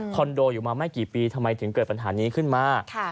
โดอยู่มาไม่กี่ปีทำไมถึงเกิดปัญหานี้ขึ้นมา